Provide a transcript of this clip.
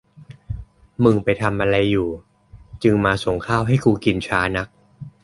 มึงไปทำอะไรอยู่จึงมาส่งข้าวให้กูกินช้านัก